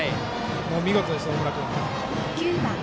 見事です、大村君。